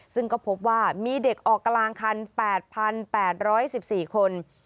ซึ่งก็พบว่ามีเด็กออกกลางคัน๘๘๑๔คน